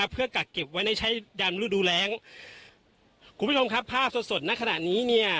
เพื่อกัดเก็บไว้ในใช้ยานธุรูปดูแลงคุณผู้ชมครับภาพสดสดนะขนาดนี้เนี้ย